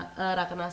ada pak ketum ya